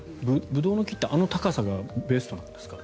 ブドウの木ってあの高さがベストなんですか？